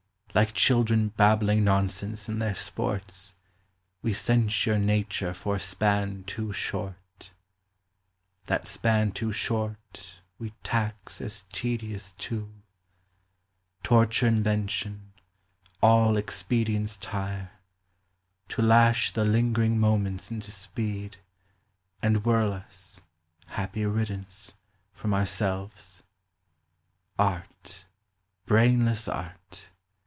Like children babbling nonsense in their sports, We censure Nature for a span too short ; That span too short, we tax as tedious too ; Torture invention, all expedients tire, To lash the lingering moments into speed, And whirl us (happy riddance !) from ourselves. Art, brainless Art